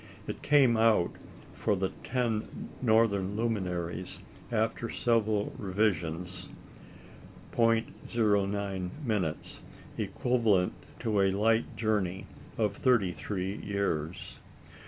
It came out, for the ten northern luminaries, after several revisions, 0·098", equivalent to a light journey of thirty three years.